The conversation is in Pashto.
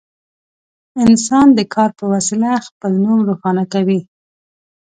انسان د کار په وسیله خپل نوم روښانه کوي.